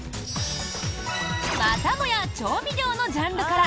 またもや調味料のジャンルから！